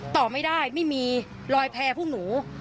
ต่อไม่ได้ไม่มีรอยแพร่พวกหนู